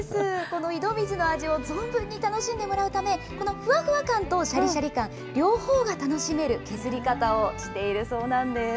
この井戸水の味を存分に楽しんでもらうため、このふわふわ感としゃりしゃり感、両方が楽しめる削り方をしているそうなんです。